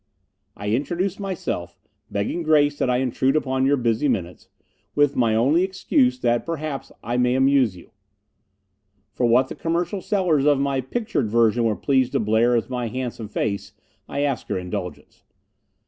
I introduce myself, begging grace that I intrude upon your busy minutes, with my only excuse that perhaps I may amuse you. For what the commercial sellers of my pictured version were pleased to blare as my handsome face, I ask your indulgence.